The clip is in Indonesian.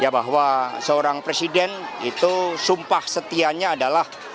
bahwa seorang presiden itu sumpah setianya adalah